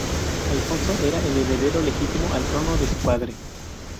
Alfonso era el heredero legítimo al trono de su padre.